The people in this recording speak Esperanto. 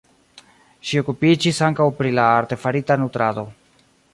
Ŝi okupiĝis ankaŭ pri la artefarita nutrado.